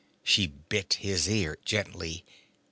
She bit his ear gently.